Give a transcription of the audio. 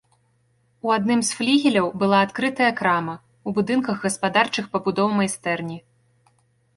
У адным з флігеляў была адкрытая крама, у будынках гаспадарчых пабудоў майстэрні.